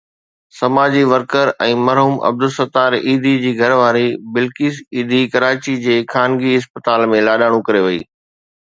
سماجي ورڪر ۽ مرحوم عبدالستار ايڌي جي گهر واري بلقيس ايڌي ڪراچي جي خانگي اسپتال ۾ لاڏاڻو ڪري وئي.